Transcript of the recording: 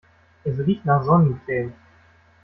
Es riecht nach Sonnencreme.